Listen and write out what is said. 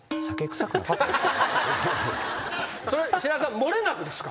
それ白井さん漏れなくですか？